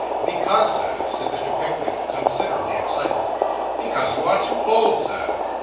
'Because, Sir,' said Mr. Pickwick, considerably excited 'because you are too old, Sir.